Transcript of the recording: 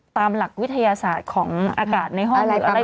ตามหลักวิทยาศาสตร์ของอากาศในห้องหรืออะไร